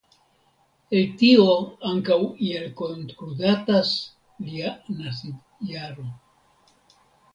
El tio ankaŭ iel konkludatas lia nasiĝjaro.